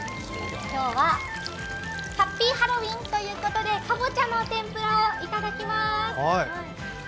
今日はハッピーハロウィーンということでかぼちゃの天ぷらをいただきます。